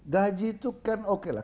gaji itu kan okelah